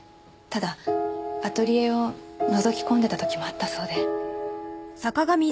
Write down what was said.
ただアトリエをのぞき込んでた時もあったそうで。